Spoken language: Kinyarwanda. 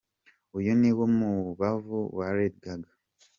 Uyu niwo mubavu wa Lady Gaga.